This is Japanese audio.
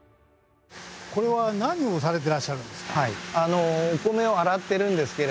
これは何をされてらっしゃるんですか？